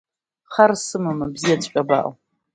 Хар амам, абзиаҵәҟьа абаҟоу.